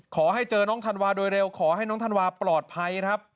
ขอให้เจอน้องธันวาโดยเร็วขอให้น้องธันวาปลอดภัยครับ